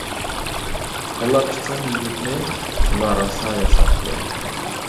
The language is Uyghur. تاللاپ چىققان يىگىتنى، بۇلار راسا ياساپتۇ.